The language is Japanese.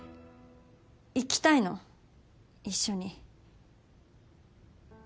行きたいの一緒に。